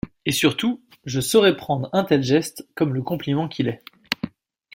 Et surtout: je saurai prendre un tel geste comme le compliment qu’il est.